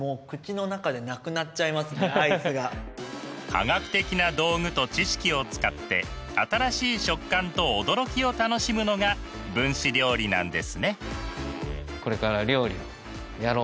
科学的な道具と知識を使って新しい食感と驚きを楽しむのが分子料理なんですね。